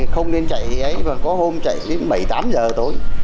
không nên chạy có hôm chạy đến bảy tám giờ tối